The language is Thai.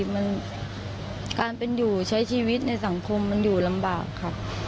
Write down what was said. มันการเป็นอยู่ใช้ชีวิตในสังคมมันอยู่ลำบากค่ะ